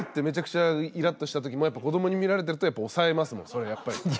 めちゃくちゃイラッとした時もやっぱ子どもに見られてるとやっぱ抑えますもんそれはやっぱり。